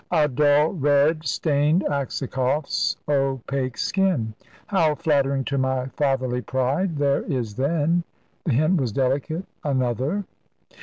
A dull red stained Aksakoff's opaque skin. "How flattering to my fatherly pride! There is, then" the hint was delicate "another?"